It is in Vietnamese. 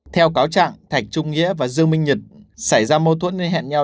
theo cáo trạng thạch trung nghĩa và dương minh nhật xảy ra mâu thuẫn nên hẹn nhau